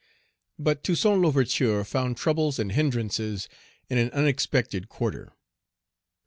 BUT Toussaint L'Ouverture found troubles and hindrances in an unexpected quarter.